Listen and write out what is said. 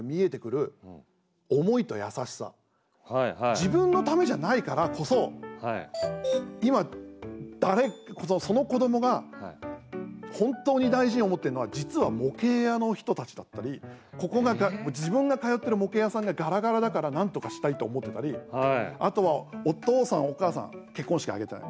自分のためじゃないからこそ今、その子どもが本当に大事に思ってるのは実は模型屋の人たちだったり自分が通ってる模型屋さんがガラガラだからなんとかしたいと思ってたりあとはお父さん、お母さん結婚式、挙げたい。